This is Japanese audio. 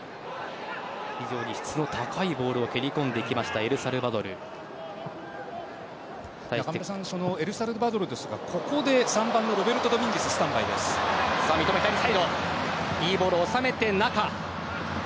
非常に質の高いボールを蹴り込んでいきましたエルサルバドルですがここで３番のロベルト・ドミンゲスいいボール、収めて、中。